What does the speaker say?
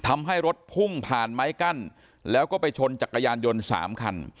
ทำให้รถพุ่งผ่านไม้กั้นแล้วก็ไปชนจักรยานยนต์๓คัน